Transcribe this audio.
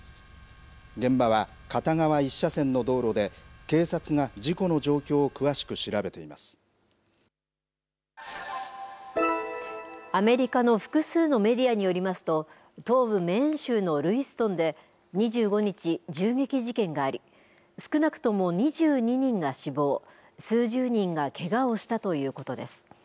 現場は片側１車線の道路で警察が事故の状況をアメリカの複数のメディアによりますと東部メーン州のルイストンで２５日、銃撃事件があり少なくとも２２人が死亡数十人がけがをしたということです。